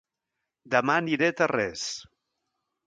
Dema aniré a Tarrés